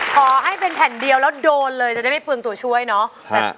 ขอให้เป็นแผ่นเดียวแล้วโดนเลยจะได้ไม่เปลืองตัวช่วยเนาะ